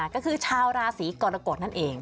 ก็คือชาวราศีกรกฎนั่นเอง